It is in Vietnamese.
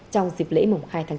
trong dịp lễ mùng hai tháng chín